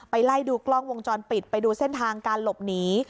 ไล่ดูกล้องวงจรปิดไปดูเส้นทางการหลบหนี